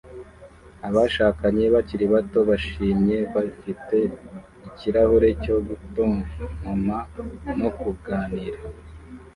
Abashakanye bakiri bato bishimye bafite ikirahure cyo gutontoma no kuganira